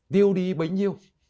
tiêu đi bấy nhiêu